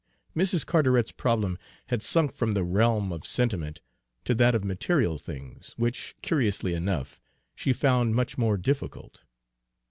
Mrs. Carteret's problem had sunk from the realm of sentiment to that of material things, which, curiously enough, she found much more difficult.